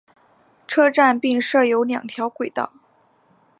车站并设有两条轨道。